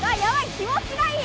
気もちがいい！